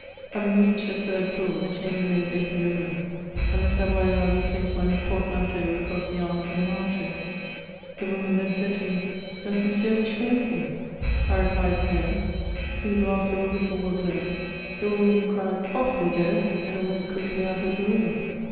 Having readied the third flocff; the chainber ^maid opened a room, and the Savoyard plaeed^ my portmanteau across the arms of an arm chair. The womiEiii then said to me, '* Does Monsieur wish for any thing V* I replied, " No." Three blasts of a whistle were blown ; the: woman cried: "Off they go!" went quickly out of the room.